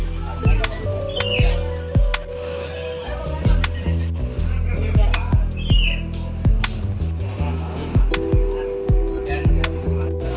ini saya lagi di tempatnya buang